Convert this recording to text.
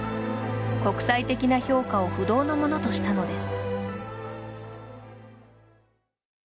国際的な評価を不動のものとしたのです。